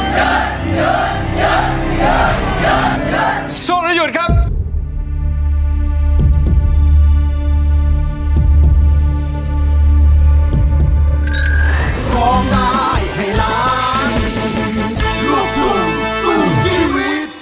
สู้หรือหยุดครับ